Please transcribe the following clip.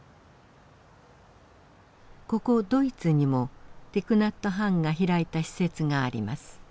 ここドイツにもティク・ナット・ハンが開いた施設があります。